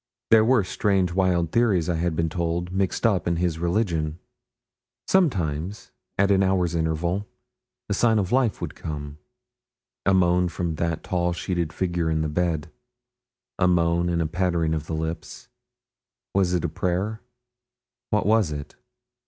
There were strange wild theories, I had been told, mixed up in his religion. Sometimes, at an hour's interval, a sign of life would come a moan from that tall sheeted figure in the bed a moan and a pattering of the lips. Was it prayer what was it?